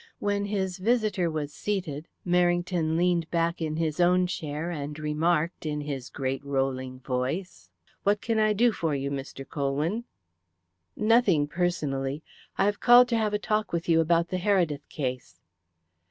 When his visitor was seated Merrington leaned back in his own chair and remarked, in his great rolling voice: "What can I do for you, Mr. Colwyn?" "Nothing personally. I have called to have a talk with you about the Heredith case."